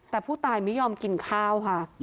แต่ผู้ตายไม่ยอมกินข้าวค่ะ